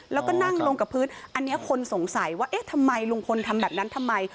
แล้วก็นั่งลงกับพื้นอันนี้คนสงสัยว่าเอ๊ะทำไมลุงพลทำแบบนั้นทำไม